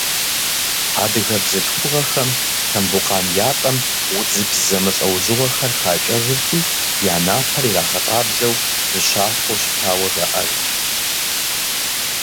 Адыгэ бзылъхугъэхэм Тамбукъан ятӏэм удзыпс зэмылӏэужьыгъуэхэр хакӏэжырти, я напэр ирагъэкъабзэу, зыщахуэу щытауэ жаӏэж.